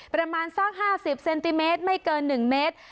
ประมาณสัก๕๐เซนติเมตรไม่เกิน๑เมตร